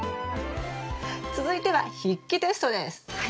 続いては筆記テストです。